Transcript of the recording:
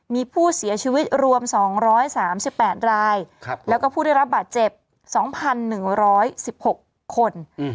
มีผู้เสียชีวิตรวมสองร้อยสามสิบแปดรายครับแล้วก็ผู้ได้รับบาดเจ็บสองพันหนึ่งร้อยสิบหกคนอือฮือ